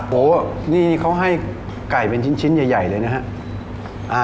โป๊นี่เขาให้ไก่เป็นชิ้นใหญ่เลยนะฮะ